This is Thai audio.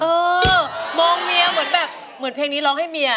เออมองเมียเหมือนแบบเหมือนเพลงนี้ร้องให้เมีย